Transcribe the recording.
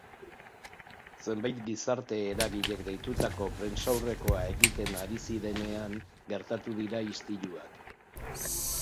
Zenbait gizarte eragilek deitutako prentsaurrekoa egiten ari zirenean gertatu dira istiluak.